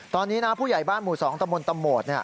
ตอนนี้ผู้ใหญ่บ้านหมู่สองตมตม